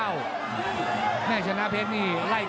ข้าวแม่ให้ชนะเพชรนี่ไล่แขน